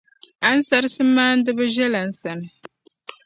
ansarisi maaniba ʒiɛla n sani.